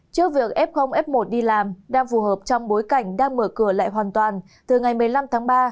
trước việc f f một đi làm đang phù hợp trong bối cảnh đang mở cửa lại hoàn toàn từ ngày một mươi năm tháng ba